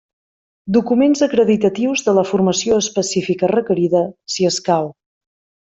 Documents acreditatius de la formació específica requerida, si escau.